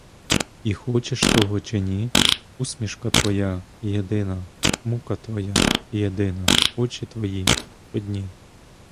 І хочеш того чи ні — Усмішка твоя — єдина, Мука твоя — єдина, Очі твої — одні.